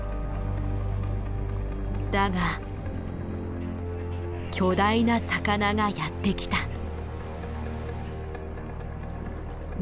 だが巨大な魚がやって来た。